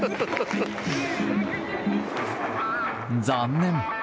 残念。